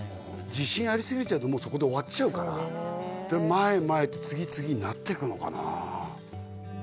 自信ありすぎちゃうともうそこで終わっちゃうからで前へ前へって次次になっていくのかな？